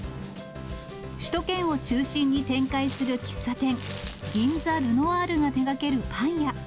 首都圏を中心に展開する喫茶店、銀座ルノアールが手がけるパン屋。